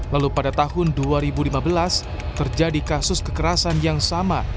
lalu pada tahun dua ribu lima belas terjadi kasus kekerasan yang sama